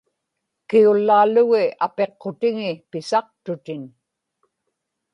kiullaalugit apiqqutiŋi pisaqtutin